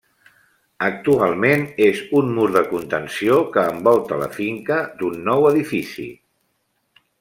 Actualment és un mur de contenció que envolta la finca d'un nou edifici.